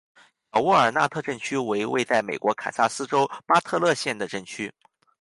小沃尔纳特镇区为位在美国堪萨斯州巴特勒县的镇区。